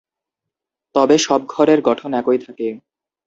তবে সব ঘরের গঠন একই থাকে।